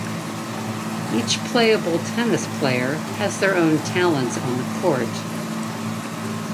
Each playable tennis player has their own talents on the court.